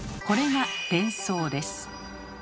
これが「伝送」です。